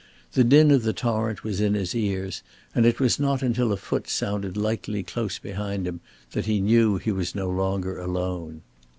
The din of the torrent was in his ears, and it was not until a foot sounded lightly close behind him that he knew he was no longer alone.